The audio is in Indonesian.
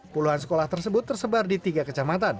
puluhan sekolah tersebut tersebar di tiga kecamatan